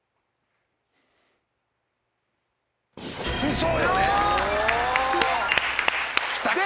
そうよね！